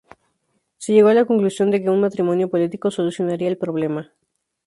Se llegó a la conclusión de que un matrimonio político solucionaría el problema.